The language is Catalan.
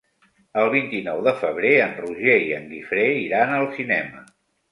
El vint-i-nou de febrer en Roger i en Guifré iran al cinema.